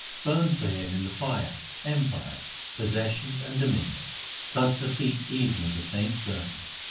Burn for him in the fire empire, possessions, and dominion. Touch the feet even of the saints servant.